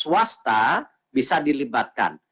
swasta bisa dilibatkan